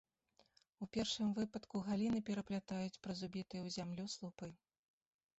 У першым выпадку галіны пераплятаюць праз убітыя ў зямлю слупы.